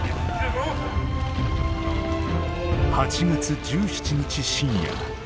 ８月１７日深夜。